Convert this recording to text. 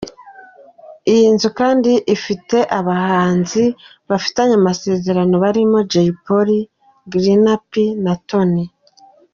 Iyi nzu kandi ifite abahanzi bafitanye amasezerano barimo Jay Polly, Green P na Tony.